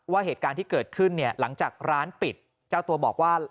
เหตุการณ์ที่เกิดขึ้นเนี่ยหลังจากร้านปิดเจ้าตัวบอกว่า